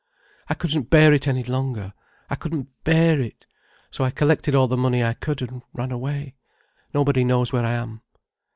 "I couldn't bear it any longer. I couldn't bear it. So I collected all the money I could, and ran away. Nobody knows where I am."